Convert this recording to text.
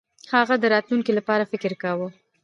هغه د راتلونکي لپاره فکر کاوه.